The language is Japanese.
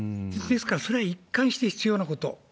ですから、それは一貫して必要なこと。